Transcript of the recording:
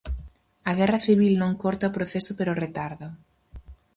A Guerra Civil non corta o proceso pero retárdao.